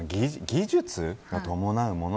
技術が伴うもの。